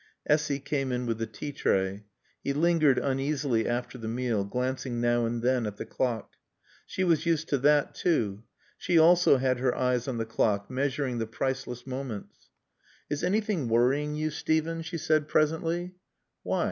Essy came in with the tea tray. He lingered uneasily after the meal, glancing now and then at the clock. She was used to that, too. She also had her eyes on the clock, measuring the priceless moments. "Is anything worrying you, Steven?" she said presently. "Why?